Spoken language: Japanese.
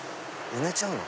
埋めちゃうの？